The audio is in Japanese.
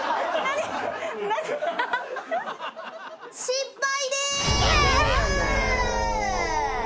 失敗です！